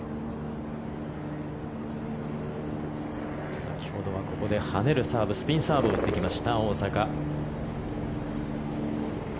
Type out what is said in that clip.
先ほどはここで跳ねるサーブスピンサーブを打ってきました大坂。